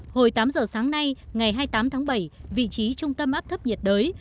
hồi tám giờ sáng nay ngày hai mươi tám tháng bảy vị trí trung tâm áp thấp nhiệt đới